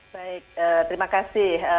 baik terima kasih